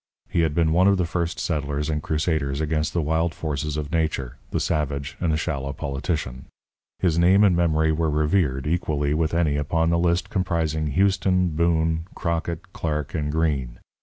He had been one of the first settlers and crusaders against the wild forces of nature, the savage and the shallow politician. His name and memory were revered, equally with any upon the list comprising Houston, Boone, Crockett, Clark, and Green.